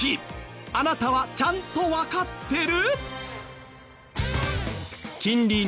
あなたはちゃんとわかってる？